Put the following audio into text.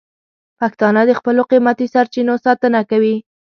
پښتانه د خپلو قیمتي سرچینو ساتنه کوي.